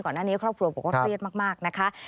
ครอบครัวนี้ครอบครัวบอกว่าเครียดมากนะคะ